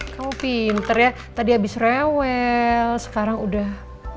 kamu pinter ya tadi habis rewel sekarang udah